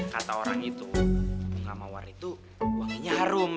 kata orang itu bunga mawar itu wanginya harum